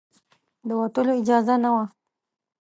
د وتلو اجازه نه وه.